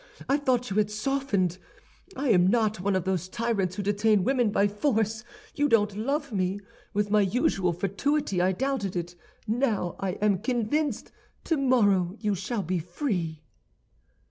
I thought you had softened. I am not one of those tyrants who detain women by force. You don't love me. With my usual fatuity I doubted it; now I am convinced. Tomorrow you shall be free.